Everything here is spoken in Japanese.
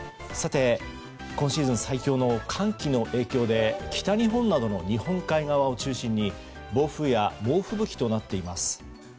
今シーズン最強の寒気の影響で北日本などの日本海側を中心に暴風や猛吹雪となっています。